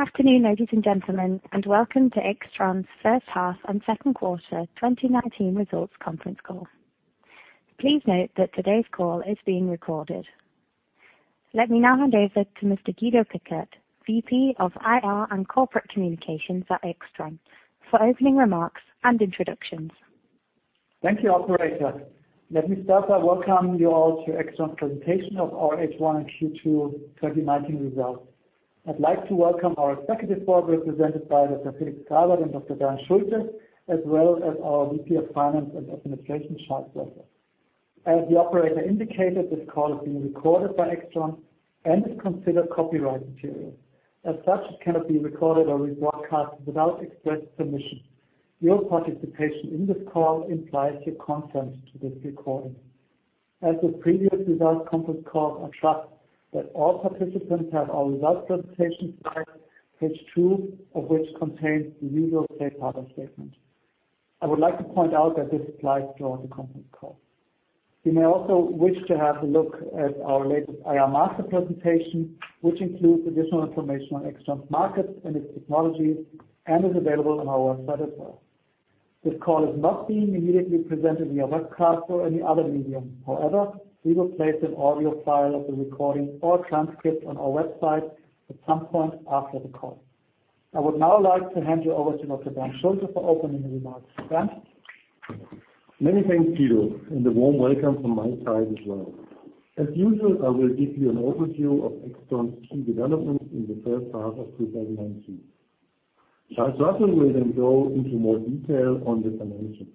Good afternoon, ladies and gentlemen, and welcome to AIXTRON's first half and second quarter 2019 results conference call. Please note that today's call is being recorded. Let me now hand over to Mr. Guido Pickert, VP of IR and Corporate Communications at AIXTRON, for opening remarks and introductions. Thank you, operator. Let me start by welcoming you all to AIXTRON's presentation of our H1 and Q2 2019 results. I'd like to welcome our Executive Board, represented by Dr. Felix Grawert and Dr. Bernd Schulte, as well as our VP of Finance and Administration, Charles Russell. As the operator indicated, this call is being recorded by AIXTRON and is considered copyright material. As such, it cannot be recorded or broadcast without express permission. Your participation in this call implies your consent to this recording. As with previous results conference calls, I trust that all participants have our results presentation slides, page two of which contains the usual safe harbor statement. I would like to point out that this applies to all the conference call. You may also wish to have a look at our latest IR master presentation, which includes additional information on AIXTRON's markets and its technologies, and is available on our website as well. This call is not being immediately presented via webcast or any other medium. We will place an audio file of the recording or transcript on our website at some point after the call. I would now like to hand you over to Dr. Bernd Schulte for opening remarks. Bernd? Many thanks, Guido, and a warm welcome from my side as well. As usual, I will give you an overview of AIXTRON's key developments in the first half of 2019. Charles Russell will go into more detail on the financials.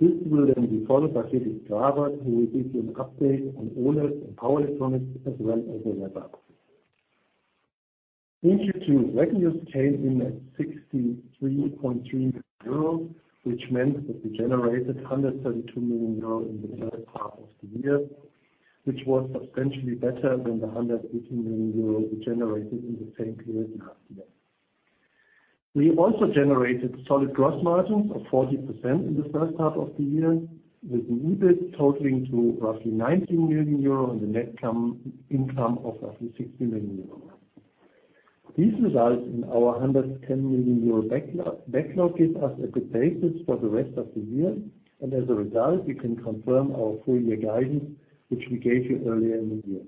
This will be followed by Felix Grawert, who will give you an update on OLED and power electronics, as well as a wrap-up. In Q2, revenues came in at 63.3 million euro, which meant that we generated 132 million euro in the first half of the year, which was substantially better than the 118 million euro we generated in the same period last year. We also generated solid gross margins of 40% in the first half of the year, with EBIT totaling to roughly 19 million euro and a net income of roughly 60 million euro. These results and our 110 million euro backlog give us a good basis for the rest of the year. As a result, we can confirm our full-year guidance, which we gave you earlier in the year.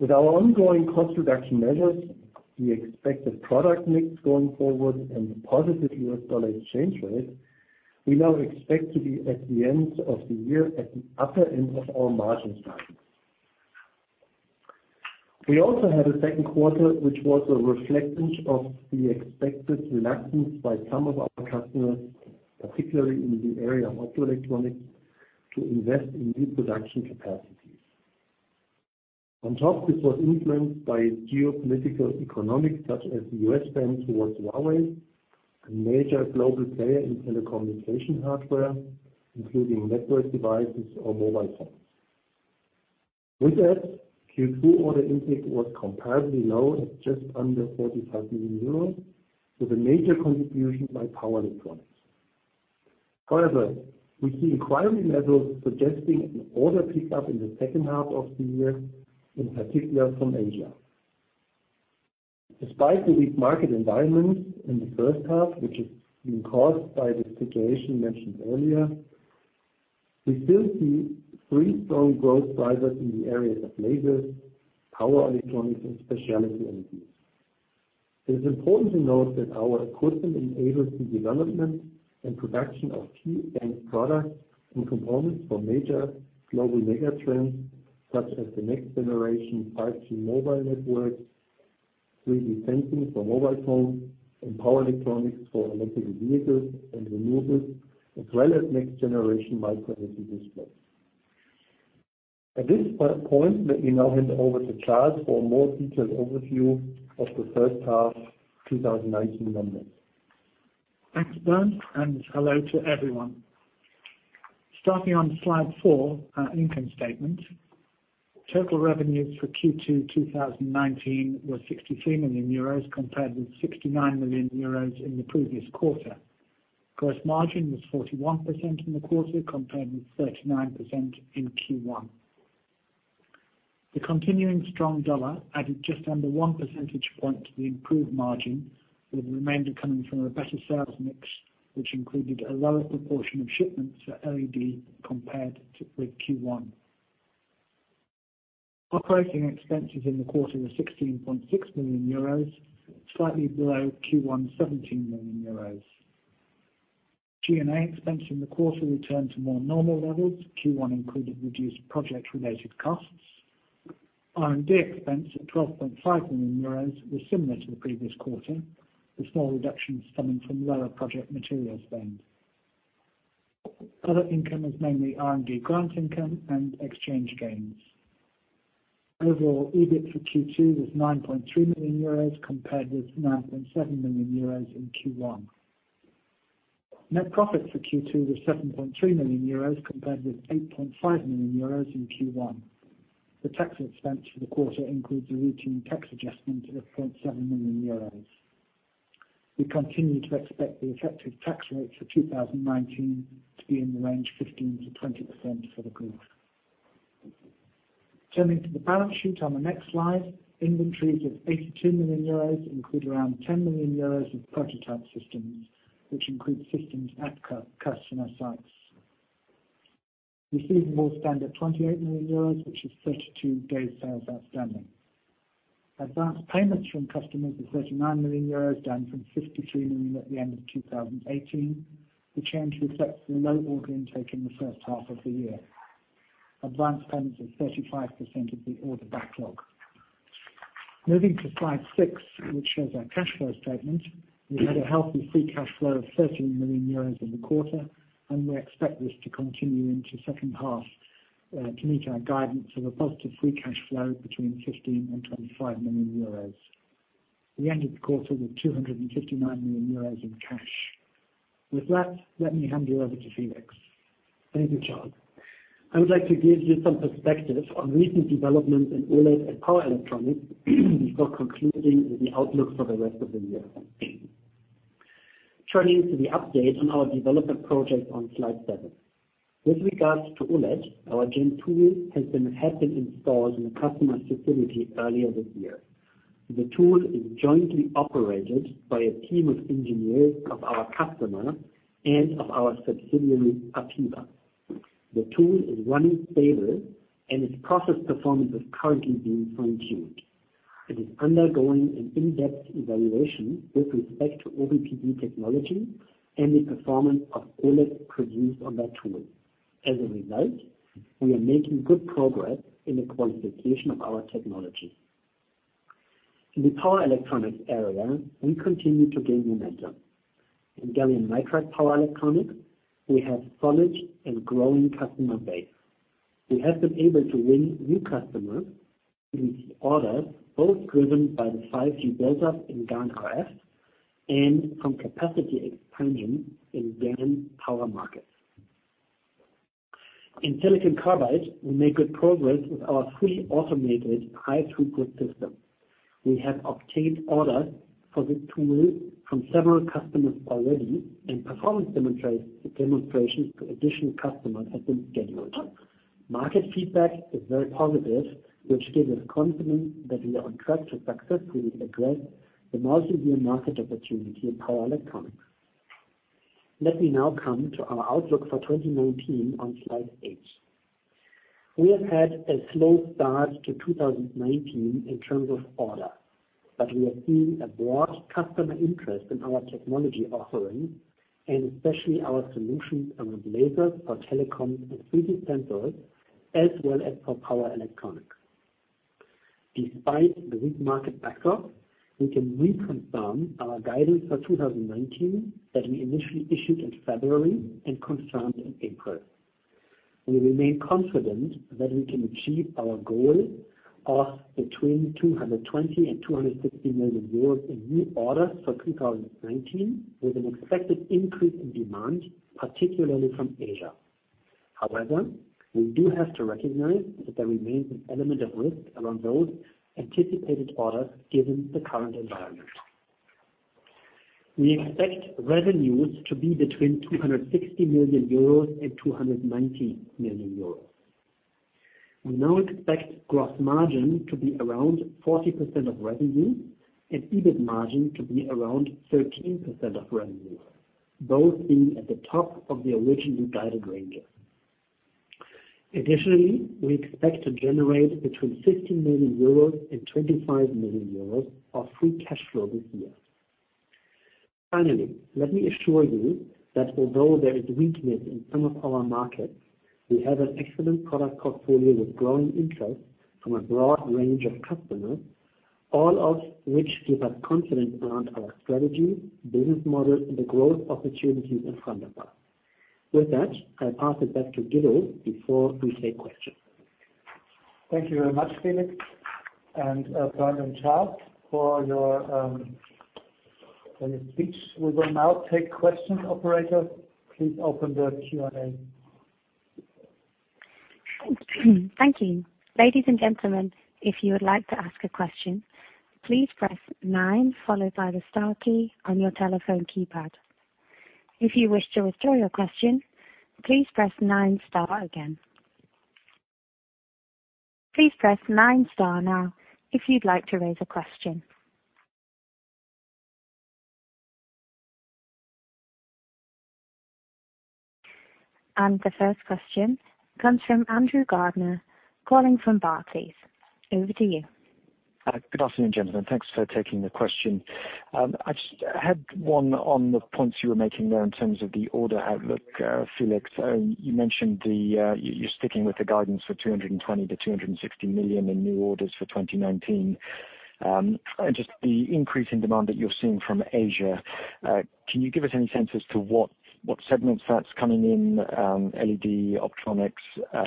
With our ongoing cost reduction measures, we expect the product mix going forward and the positive U.S. dollar exchange rate, we now expect to be at the end of the year at the upper end of our margin guidance. We also had a second quarter, which was a reflection of the expected reluctance by some of our customers, particularly in the area of optoelectronics, to invest in new production capacities. On top, this was influenced by geopolitical economics, such as the U.S. ban towards Huawei, a major global player in telecommunication hardware, including network devices or mobile phones. With that, Q2 order intake was comparatively low at just under 45 million euros, with a major contribution by power electronics. We see inquiry levels suggesting an order pickup in the second half of the year, in particular from Asia. Despite the weak market environment in the first half, which has been caused by the situation mentioned earlier, we still see three strong growth drivers in the areas of lasers, power electronics and specialty LEDs. It is important to note that our equipment enables the development and production of key end products and components for major global megatrends, such as the next-generation 5G mobile networks, 3D sensing for mobile phones, and power electronics for electric vehicles and renewables, as well as next-generation micro LED displays. At this point, let me now hand over to Charles for a more detailed overview of the first half 2019 numbers. Thanks, Bernd, and hello to everyone. Starting on slide four, our income statement. Total revenues for Q2 2019 were 63 million euros, compared with 69 million euros in the previous quarter. Gross margin was 41% in the quarter, compared with 39% in Q1. The continuing strong dollar added just under one percentage point to the improved margin, with the remainder coming from a better sales mix, which included a lower proportion of shipments for LED compared with Q1. Operating expenses in the quarter were 16.6 million euros, slightly below Q1 17 million euros. G&A expense in the quarter returned to more normal levels. Q1 included reduced project-related costs. R&D expense of 12.5 million euros was similar to the previous quarter, with small reductions coming from lower project material spend. Other income was mainly R&D grant income and exchange gains. Overall, EBIT for Q2 was 9.3 million euros, compared with 9.7 million euros in Q1. Net profit for Q2 was 7.3 million euros, compared with 8.5 million euros in Q1. The tax expense for the quarter includes a routine tax adjustment of 0.7 million euros. We continue to expect the effective tax rate for 2019 to be in the range 15%-20% for the group. Turning to the balance sheet on the next slide. Inventories of 82 million euros include around 10 million euros of prototype systems, which include systems at customer sites. Receivables stand at 28 million euros, which is 32 days sales outstanding. Advanced payments from customers are 39 million euros, down from 63 million at the end of 2018. The change reflects the low order intake in the first half of the year. Advanced payments of 35% of the order backlog. Moving to slide six, which shows our cash flow statement. We had a healthy free cash flow of 13 million euros in the quarter, and we expect this to continue into second half to meet our guidance of a positive free cash flow between 15 million and 25 million euros. We ended the quarter with 259 million euros in cash. Let me hand you over to Felix. Thank you, Charles. I would like to give you some perspective on recent developments in OLED and power electronics before concluding with the outlook for the rest of the year. Turning to the update on our development project on slide seven. With regards to OLED, our Gen2 has been installed in a customer's facility earlier this year. The tool is jointly operated by a team of engineers of our customer and of our subsidiary, APEVA. The tool is running stable and its process performance is currently being fine-tuned. It is undergoing an in-depth evaluation with respect to OVPD technology and the performance of OLED produced on that tool. As a result, we are making good progress in the qualification of our technology. In the power electronics area, we continue to gain momentum. In gallium nitride power electronics, we have a solid and growing customer base. We have been able to win new customers with orders both driven by the 5G build-up in GaN RF and from capacity expansion in GaN power markets. In silicon carbide, we make good progress with our fully automated high throughput system. We have obtained orders for this tool from several customers already, and performance demonstrations to additional customers have been scheduled. Market feedback is very positive, which gives us confidence that we are on track to successfully address the multi-billion EUR market opportunity in power electronics. Let me now come to our outlook for 2019 on slide eight. We have had a slow start to 2019 in terms of orders. We are seeing a broad customer interest in our technology offerings, and especially our solutions around lasers for telecom and 3D sensors, as well as for power electronics. Despite the weak market backdrop, we can reconfirm our guidance for 2019 that we initially issued in February and confirmed in April. We remain confident that we can achieve our goal of between 220 million euros and 260 million euros in new orders for 2019, with an expected increase in demand, particularly from Asia. However, we do have to recognize that there remains an element of risk around those anticipated orders given the current environment. We expect revenues to be between 260 million euros and 290 million euros. We now expect gross margin to be around 40% of revenue and EBIT margin to be around 13% of revenue, both being at the top of the originally guided ranges. Additionally, we expect to generate between 15 million euros and 25 million euros of free cash flow this year. Finally, let me assure you that although there is weakness in some of our markets, we have an excellent product portfolio with growing interest from a broad range of customers, all of which give us confidence around our strategy, business model, and the growth opportunities in front of us. With that, I pass it back to Guido before we take questions. Thank you very much, Felix and Charles, for your speech. We will now take questions. Operator, please open the Q&A. Thank you. Ladies and gentlemen, if you would like to ask a question, please press nine followed by the star key on your telephone keypad. If you wish to withdraw your question, please press nine star again. Please press nine star now if you'd like to raise a question. The first question comes from Andrew Gardiner, calling from Barclays. Over to you. Good afternoon, gentlemen. Thanks for taking the question. I just had one on the points you were making there in terms of the order outlook, Felix. You mentioned you're sticking with the guidance for €220 to €260 million in new orders for 2019. The increase in demand that you're seeing from Asia, can you give us any sense as to what segments that's coming in, LED, optronics? I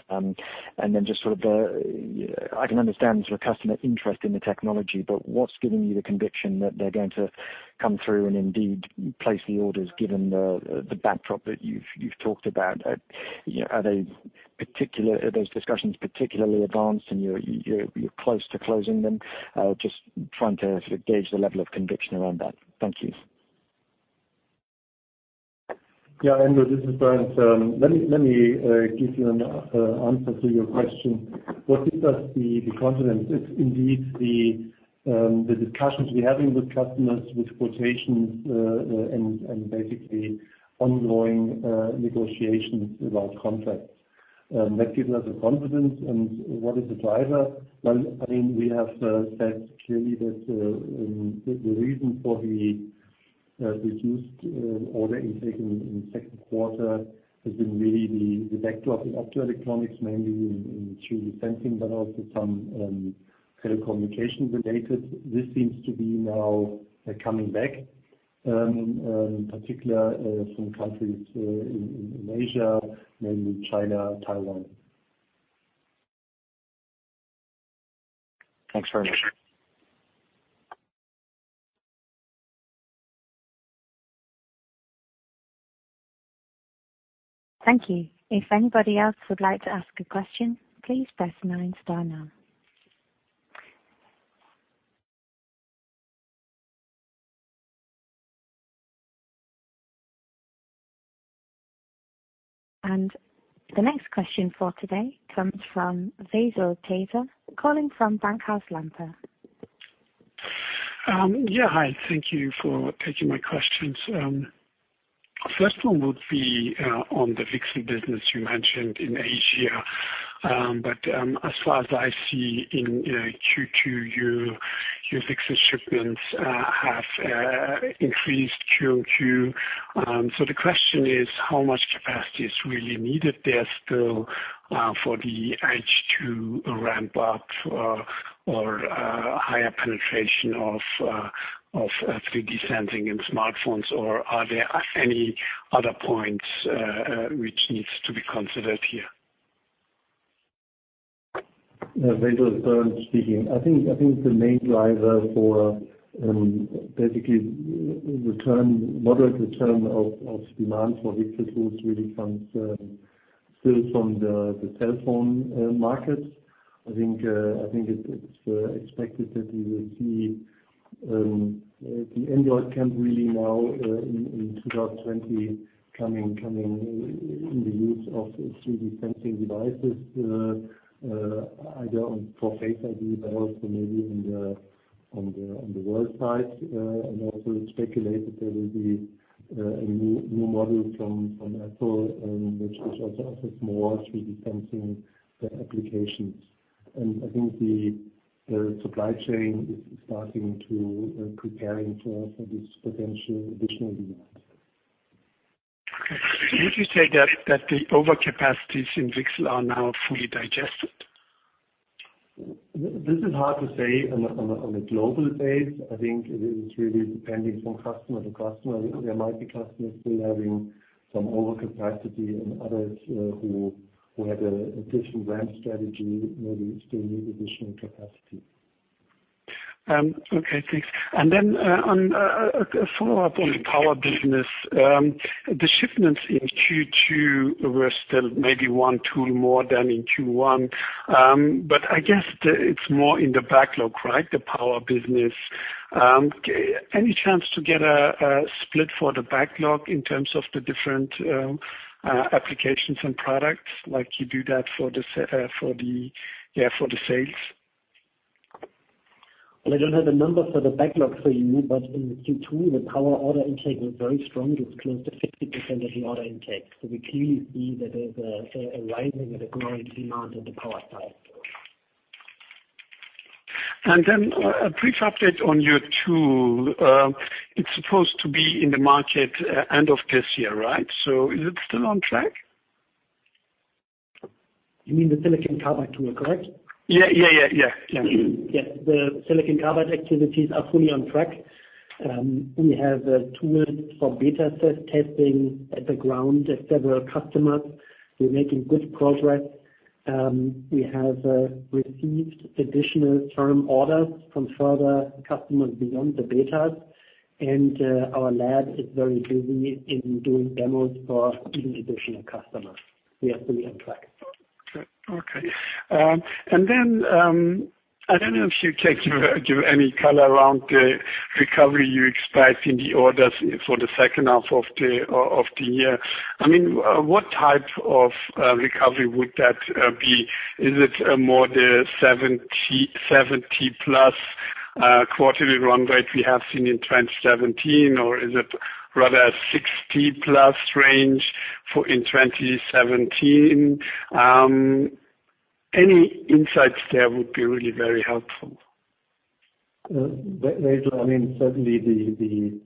can understand sort of customer interest in the technology, but what's giving you the conviction that they're going to come through and indeed place the orders given the backdrop that you've talked about? Are those discussions particularly advanced and you're close to closing them? Trying to sort of gauge the level of conviction around that. Thank you. Yeah, Andrew, this is Bernd. Let me give you an answer to your question. What gives us the confidence is indeed the discussions we're having with customers with quotations, and basically ongoing negotiations about contracts. That gives us the confidence. What is the driver? Well, we have said clearly that the reason for the reduced order intake in the second quarter has been really the backlog in optoelectronics, mainly in 3D sensing, but also some telecommunications related. This seems to be now coming back, in particular some countries in Asia, mainly China, Taiwan. Thanks very much. Thank you. If anybody else would like to ask a question, please press nine star now. The next question for today comes from Basil Tater, calling from Bankhaus Lampe. Yeah, hi. Thank you for taking my questions. First one would be on the VCSEL business you mentioned in Asia. As far as I see in Q2, your VCSEL shipments have increased QOQ. The question is how much capacity is really needed there still for the H2 ramp up or higher penetration of 3D sensing in smartphones? Are there any other points which needs to be considered here? Basil, Bernd speaking. I think the main driver for basically moderate return of demand for VCSEL tools really comes still from the cell phone market. I think it's expected that we will see the Android camp really now in 2020 coming in the use of 3D sensing devices, either for Face ID, but also maybe on the world side. Also it's speculated there will be a new model from Apple, which also offers more 3D sensing applications. I think the supply chain is starting to preparing for this potential additional demand. Would you say that the over capacities in VCSEL are now fully digested? This is hard to say on a global base. I think it is really depending on customer to customer. There might be customers still having some overcapacity and others who have a different ramp strategy maybe still need additional capacity. Okay, thanks. On a follow-up on the power business. The shipments in Q2 were still maybe one tool more than in Q1. I guess it's more in the backlog, right? The power business. Any chance to get a split for the backlog in terms of the different applications and products like you do that for the sales? Well, I don't have the numbers for the backlog for you, but in Q2, the power order intake was very strong. It was close to 50% of the order intake. We clearly see that there's a rising and a growing demand on the power side. A brief update on your tool. It is supposed to be in the market end of this year, right? Is it still on track? You mean the silicon carbide tool, correct? Yeah. Yes. The Silicon carbide activities are fully on track. We have tools for beta testing at the ground at several customers. We're making good progress. We have received additional firm orders from further customers beyond the betas, and our lab is very busy in doing demos for even additional customers. We are fully on track. Okay. I don't know if you can give any color around the recovery you expect in the orders for the second half of the year. What type of recovery would that be? Is it more the 70+ quarterly run rate we have seen in 2017, or is it rather 60+ range in 2017? Any insights there would be really very helpful. Basil, certainly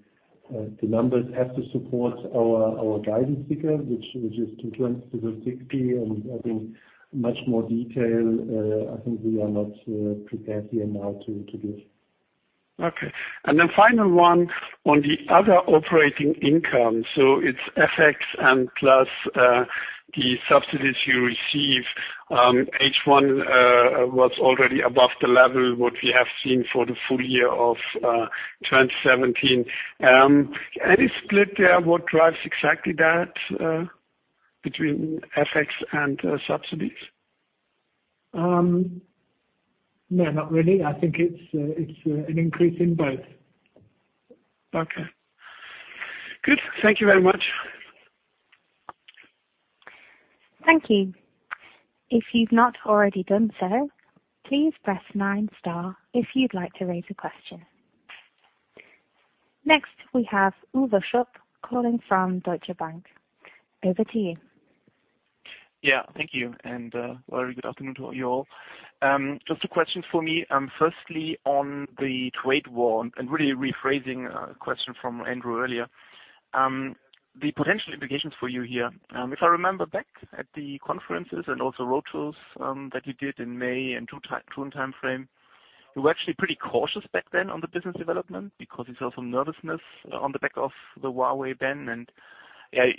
the numbers have to support our guidance figure, which is to 20 to 60, and I think much more detail, I think we are not prepared here now to give. Okay. Final one on the other operating income. It's FX and plus the subsidies you receive. H1 was already above the level what we have seen for the full year of 2017. Any split there what drives exactly that between FX and subsidies? No, not really. I think it's an increase in both. Okay. Good. Thank you very much. Thank you. If you've not already done so, please press nine star if you'd like to raise a question. Next, we have Uwe Schupp calling from Deutsche Bank. Over to you. Yeah. Thank you, and a very good afternoon to you all. Just two questions for me. Firstly, on the trade war, and really rephrasing a question from Andrew earlier. The potential implications for you here. If I remember back at the conferences and also road shows that you did in May and June timeframe, you were actually pretty cautious back then on the business development because you saw some nervousness on the back of the Huawei ban.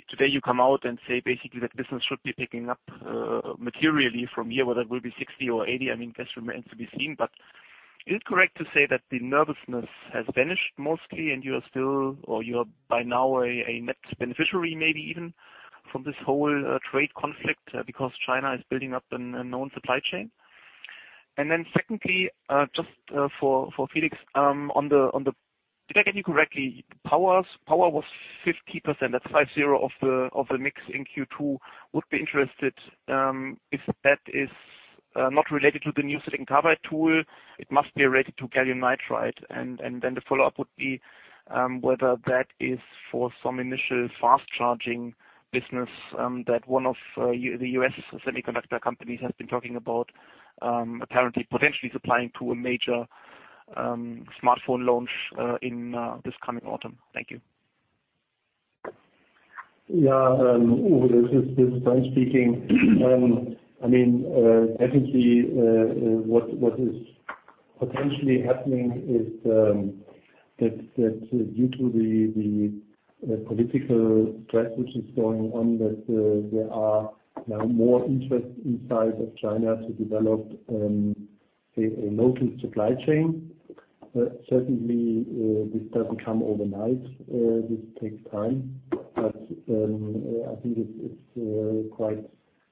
Today you come out and say basically that business should be picking up materially from here, whether it will be 60 or 80, that remains to be seen. Is it correct to say that the nervousness has vanished mostly and you are still, or you are by now a net beneficiary, maybe even, from this whole trade conflict because China is building up a known supply chain? Then secondly, just for Felix. Did I get you correctly? Power was 50%, that's 50, of the mix in Q2. Would be interested if that is not related to the new silicon carbide tool. It must be related to gallium nitride. Then the follow-up would be whether that is for some initial fast charging business that one of the U.S. semiconductor companies has been talking about, apparently potentially supplying to a major smartphone launch in this coming autumn. Thank you. Yeah, Uwe. This is Bernd speaking. I think what is potentially happening is that due to the political stress which is going on, that there are now more interest inside of China to develop a local supply chain. Certainly, this doesn't come overnight. This takes time. I think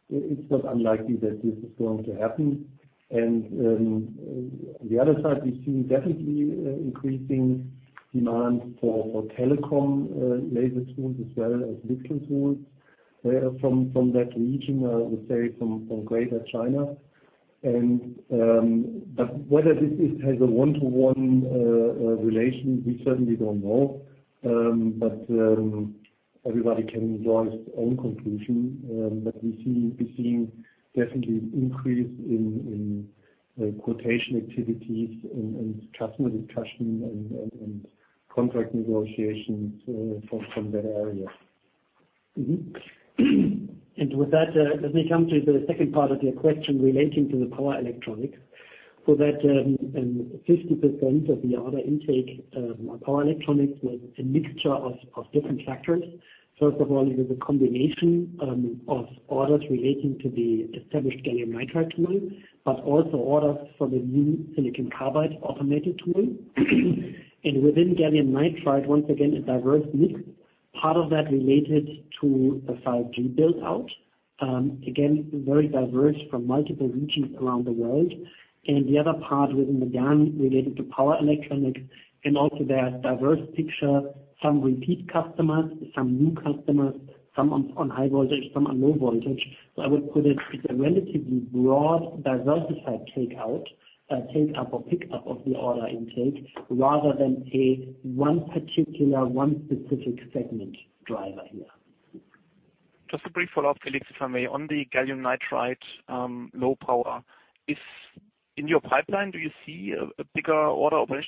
it's not unlikely that this is going to happen. On the other side, we've seen definitely increasing demand for telecom laser tools as well as VCSEL tools from that region, I would say from greater China. Whether this has a one-to-one relation, we certainly don't know. Everybody can draw his own conclusion. We're seeing definitely increase in quotation activities and customer discussion and contract negotiations from that area. Mm-hmm. With that, let me come to the second part of your question relating to the power electronics. For that 50% of the order intake, power electronics was a mixture of different factors. First of all, it is a combination of orders relating to the established gallium nitride tool, but also orders for the new silicon carbide automated tool. Within gallium nitride, once again, a diverse mix. Part of that related to the 5G build-out. Again, very diverse from multiple regions around the world. The other part within the GaN related to power electronics and also that diverse picture, some repeat customers, some new customers, some on high voltage, some on low voltage. I would put it's a relatively broad diversified takeup or pickup of the order intake rather than a one particular, one specific segment driver here. Just a brief follow-up, Felix, if I may. On the gallium nitride low power. In your pipeline, do you see potentially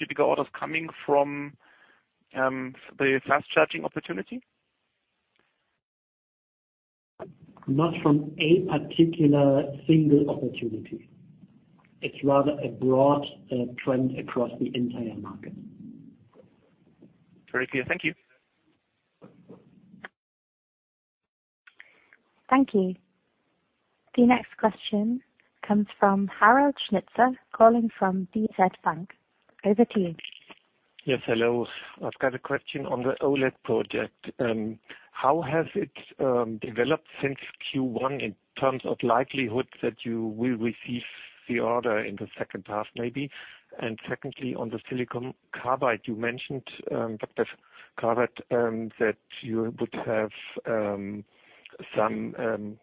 bigger orders coming from the fast charging opportunity? Not from a particular single opportunity. It's rather a broad trend across the entire market. Very clear. Thank you. Thank you. The next question comes from Harald Schnitzer, calling from DZ Bank. Over to you. Yes, hello. I've got a question on the OLED project. How has it developed since Q1 in terms of likelihood that you will receive the order in the second half maybe? Secondly, on the silicon carbide, you mentioned, Dr. Grawert, that you would have some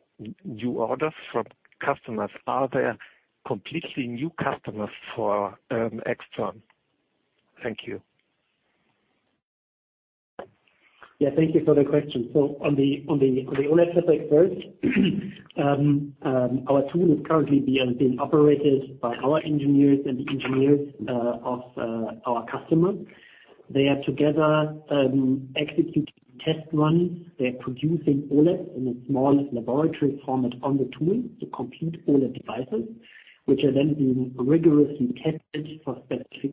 new orders from customers. Are there completely new customers for AIXTRON? Thank you. Thank you for the question. On the OLED topic first. Our tool is currently being operated by our engineers and the engineers of our customer. They are together executing test runs. They are producing OLEDs in a small laboratory format on the tool to complete OLED devices, which are then being rigorously tested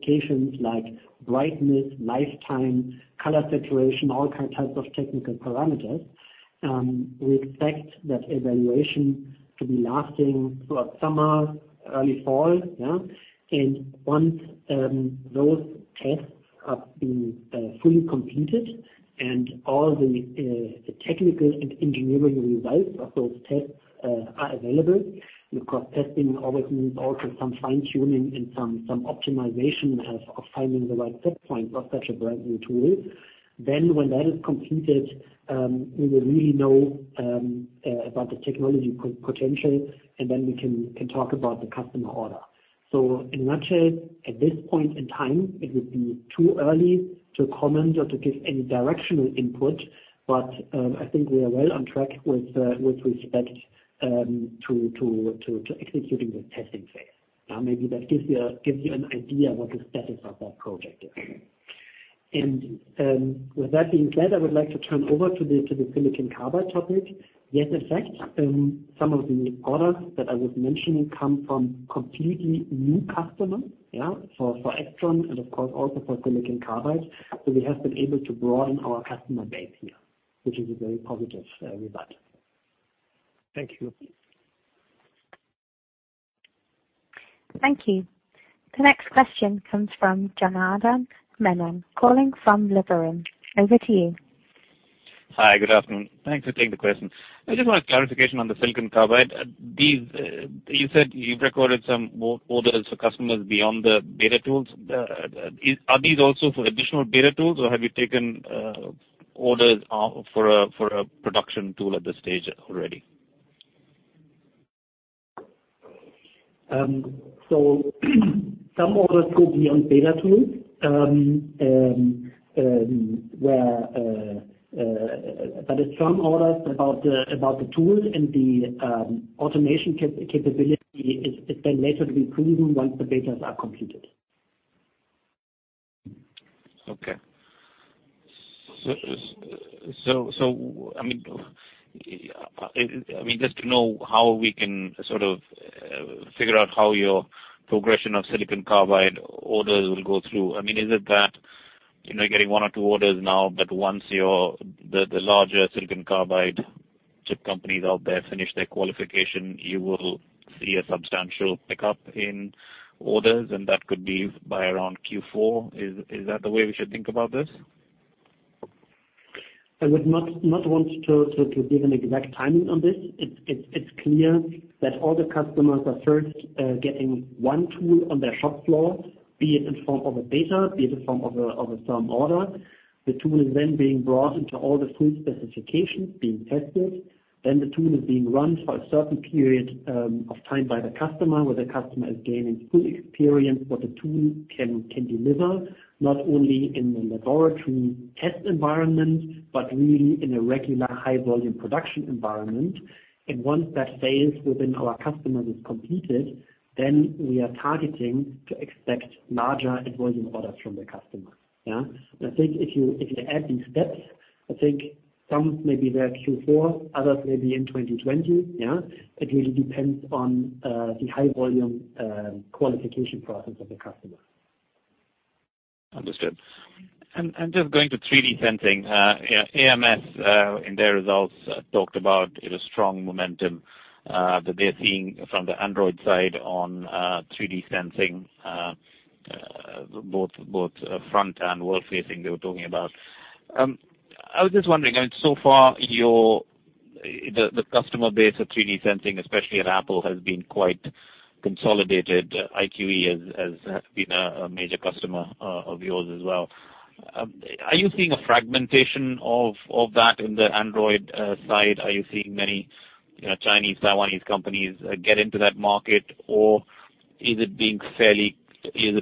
for specifications like brightness, lifetime, color saturation, all types of technical parameters. We expect that evaluation to be lasting throughout summer, early fall. Once those tests have been fully completed and all the technical and engineering results of those tests are available, because testing always means also some fine-tuning and some optimization of finding the right set point of such a brand-new tool. When that is completed, we will really know about the technology potential, and then we can talk about the customer order. In a nutshell, at this point in time, it would be too early to comment or to give any directional input, but I think we are well on track with respect to executing the testing phase. Maybe that gives you an idea what the status of that project is. With that being said, I would like to turn over to the silicon carbide topic. Yes, in fact, some of the orders that I was mentioning come from completely new customers. Yeah. For AIXTRON and of course, also for silicon carbide, we have been able to broaden our customer base here, which is a very positive result. Thank you. Thank you. The next question comes from Janardan Menon, calling from Liberum. Over to you. Hi. Good afternoon. Thanks for taking the question. I just want clarification on the silicon carbide. You said you've recorded some orders for customers beyond the beta tools. Are these also for additional beta tools, or have you taken orders for a production tool at this stage already? Some orders could be on beta tools, but some orders about the tools and the automation capability is then later to be proven once the betas are completed. Okay. Just to know how we can sort of figure out how your progression of silicon carbide orders will go through. Is it that you're getting one or two orders now, but once the larger silicon carbide chip companies out there finish their qualification, you will see a substantial pickup in orders, and that could be by around Q4? Is that the way we should think about this? I would not want to give an exact timing on this. It's clear that all the customers are first getting one tool on their shop floor, be it in form of a beta, be it in form of a firm order. The tool is then being brought into all the full specifications, being tested. The tool is being run for a certain period of time by the customer, where the customer is gaining full experience what the tool can deliver, not only in the laboratory test environment, but really in a regular high-volume production environment. Once that phase within our customer is completed, then we are targeting to expect larger and volume orders from the customer. I think if you add these steps, I think some may be there Q4, others may be in 2020. It really depends on the high-volume qualification process of the customer. Understood. Just going to 3D sensing, ams, in their results, talked about a strong momentum that they're seeing from the Android side on 3D sensing, both front and wall facing, they were talking about. I was just wondering, so far the customer base of 3D sensing, especially at Apple, has been quite consolidated. IQE has been a major customer of yours as well. Are you seeing a fragmentation of that in the Android side? Are you seeing many Chinese, Taiwanese companies get into that market, or is it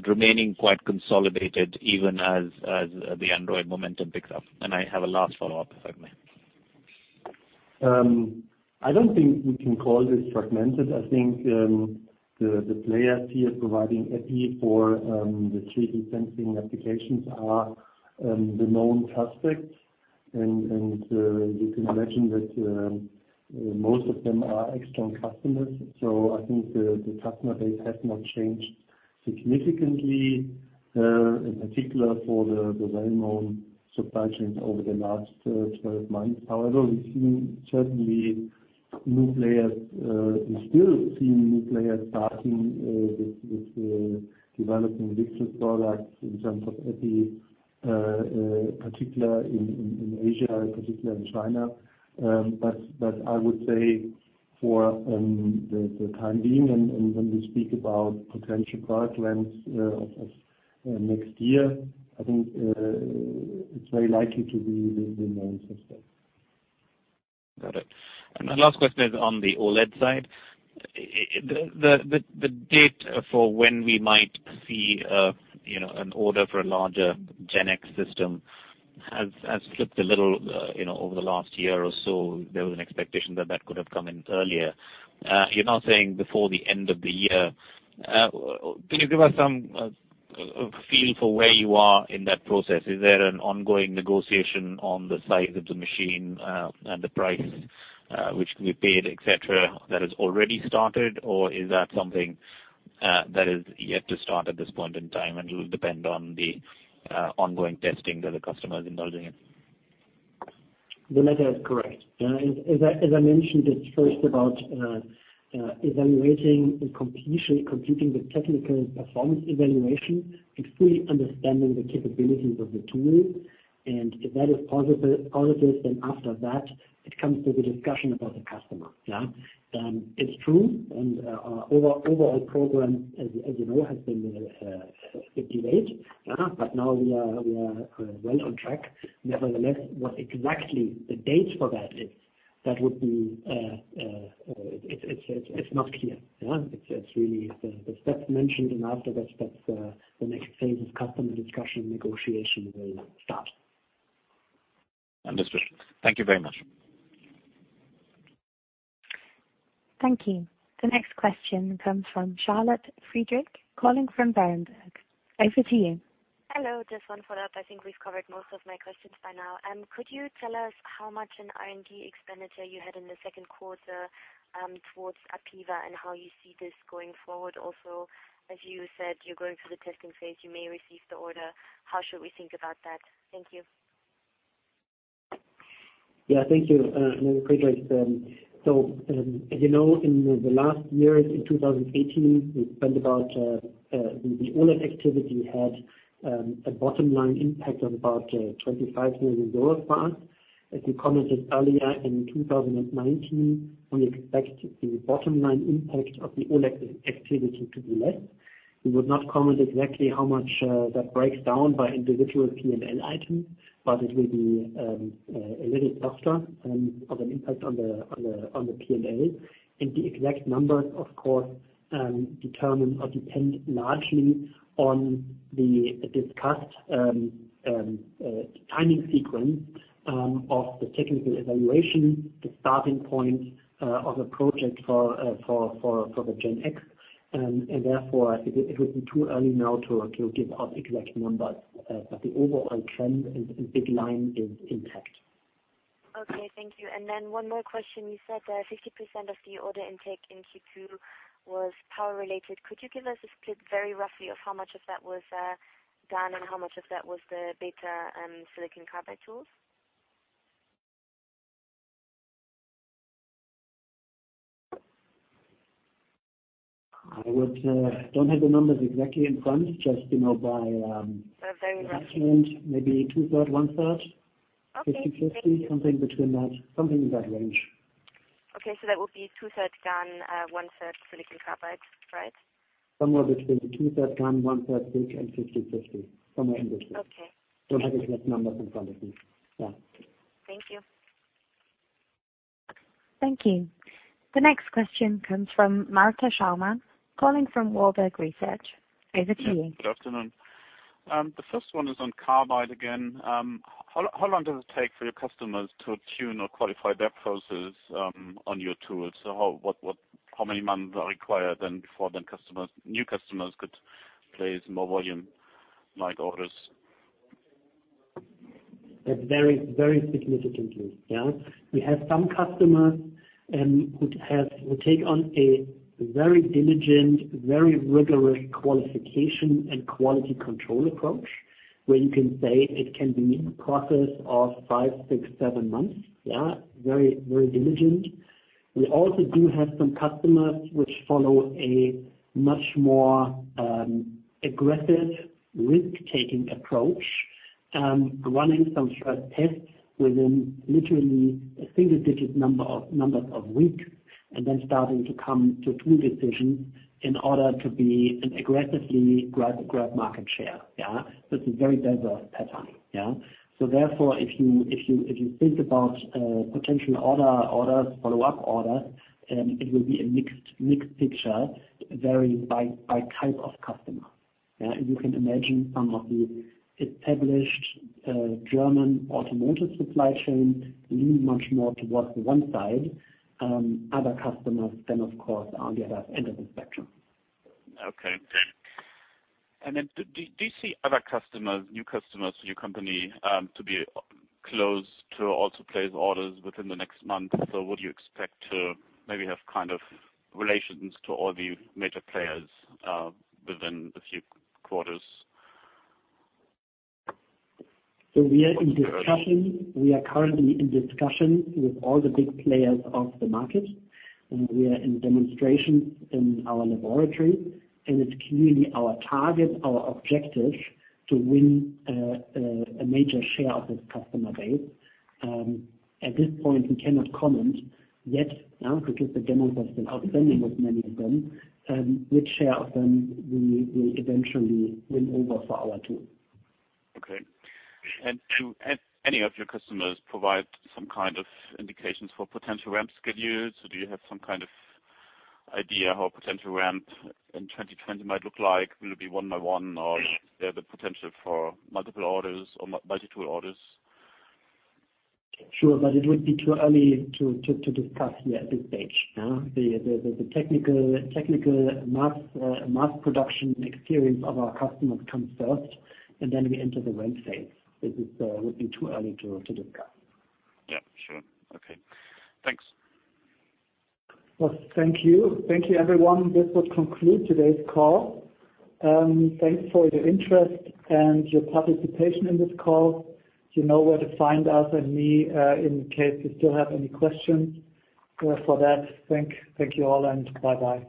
remaining quite consolidated even as the Android momentum picks up? I have a last follow-up, if I may. I don't think we can call this fragmented. I think the players here providing EPI for the 3D sensing applications are the known suspects, and you can imagine that most of them are external customers. I think the customer base has not changed significantly, in particular for the well-known supply chains over the last 12 months. However, we've seen certainly new players, we're still seeing new players starting with developing discrete products in terms of EPI, particular in Asia, particular in China. I would say for the time being, and when we speak about potential product lengths of next year, I think it's very likely to be the known suspects. Got it. My last question is on the OLED side. The date for when we might see an order for a larger GenX system has slipped a little over the last year or so. There was an expectation that that could have come in earlier. You're now saying before the end of the year. Can you give us some feel for where you are in that process? Is there an ongoing negotiation on the size of the machine, and the price which can be paid, et cetera, that has already started? Or is that something that is yet to start at this point in time, and it'll depend on the ongoing testing that the customer is indulging in? The latter is correct. As I mentioned, it's first about evaluating and completing the technical performance evaluation and fully understanding the capabilities of the tool. If that is positive, after that, it comes to the discussion about the customer. Yeah. It's true, our overall program, as you know, has been a bit delayed. Now we are well on track. Nevertheless, what exactly the date for that is, it's not clear. It's really the steps mentioned, after that, the next phase is customer discussion negotiation will start. Understood. Thank you very much. Thank you. The next question comes from Charlotte Friedrichs, calling from Berenberg. Over to you. Hello. Just one follow-up. I think we've covered most of my questions by now. Could you tell us how much an R&D expenditure you had in the second quarter, towards APEVA and how you see this going forward also? As you said, you're going through the testing phase, you may receive the order. How should we think about that? Thank you. Yeah. Thank you. No problem. As you know, in the last years, in 2018, the OLED activity had a bottom-line impact of about EUR 25 million for us. As we commented earlier, in 2019, we expect the bottom-line impact of the OLED activity to be less. We would not comment exactly how much that breaks down by individual P&L item, but it will be a little softer of an impact on the P&L. The exact numbers, of course, determine or depend largely on the discussed timing sequence of the technical evaluation, the starting point of a project for the GenX, and therefore it would be too early now to give out exact numbers. The overall trend and big line is intact. Okay. Thank you. One more question. You said that 50% of the order intake in Q2 was power-related. Could you give us a split, very roughly, of how much of that was GaN and how much of that was the beta and silicon carbide tools? I don't have the numbers exactly in front. Very roughly. judgment, maybe two-third, one-third. Okay. 50/50, something between that. Something in that range. Okay. That would be 2/3 GaN, 1/3 silicon carbide. Right? Somewhere between two-third GaN, one-third SiC, and 50/50. Somewhere in between. Okay. Don't have the exact numbers in front of me. Yeah. Thank you. Thank you. The next question comes from Malte Schaumann, calling from Warburg Research. Over to you. Good afternoon. The first one is on carbide again. How long does it take for your customers to tune or qualify their process on your tools? How many months are required before new customers could place more volume, like orders? It varies very significantly. Yeah. We have some customers who take on a very diligent, very rigorous qualification and quality control approach, where you can say it can be a process of five, six, seven months. Yeah. Very diligent. We also do have some customers who follow a much more aggressive risk-taking approach, running some stress tests within literally a single-digit number of weeks, and then starting to come to tool decisions in order to be an aggressively grab market share. Yeah. It's a very diverse pattern. Yeah. Therefore, if you think about potential orders, follow-up orders, it will be a mixed picture varied by type of customer. Yeah. You can imagine some of the established German automotive supply chain lean much more towards the one side. Other customers, of course, are on the other end of the spectrum. Okay. Do you see other customers, new customers for your company to be close to also place orders within the next month? Would you expect to maybe have relations to all the major players within a few quarters? We are in discussion. We are currently in discussion with all the big players of the market, and we are in demonstrations in our laboratory, and it's clearly our target, our objective, to win a major share of this customer base. At this point, we cannot comment yet, because the demos have been outstanding with many of them, which share of them we will eventually win over for our tool. Okay. Do any of your customers provide some kind of indications for potential ramp schedules, or do you have some kind of idea how potential ramp in 2020 might look like? Will it be one by one or the potential for multiple orders or multi-tool orders? Sure, it would be too early to discuss here at this stage. Yeah. The technical mass production experience of our customers comes first, and then we enter the ramp phase. This would be too early to discuss. Yeah, sure. Okay. Thanks. Well, thank you. Thank you, everyone. This would conclude today's call. Thanks for your interest and your participation in this call. You know where to find us and me, in case you still have any questions. For that, thank you all, and bye-bye.